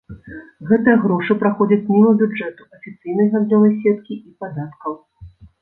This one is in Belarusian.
Гэтыя грошы праходзяць міма бюджэту, афіцыйнай гандлёвай сеткі і падаткаў.